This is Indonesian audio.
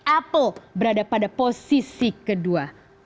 apple berada pada posisi kedua